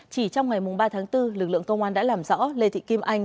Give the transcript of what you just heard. chỉ trong ngày ba tháng bốn lực lượng công an đã làm rõ lê thị kim anh